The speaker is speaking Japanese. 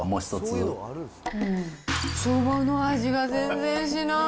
そばの味が全然しない。